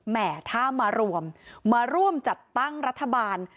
แหมถ้ามารวมมาร่วมจัดตั้งรัฐบาล